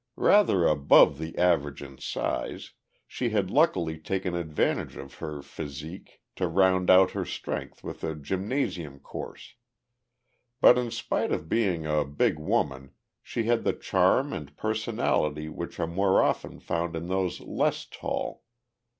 Rather above the average in size, she had luckily taken advantage of her physique to round out her strength with a gymnasium course. But in spite of being a big woman, she had the charm and personality which are more often found in those less tall.